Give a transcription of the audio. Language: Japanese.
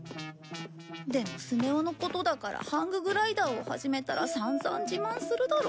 でもスネ夫のことだからハンググライダーを始めたら散々自慢するだろうな。